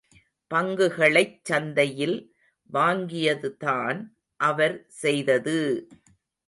பங்குகளைச் சந்தையில் வாங்கியதுதான் அவர் செய்தது!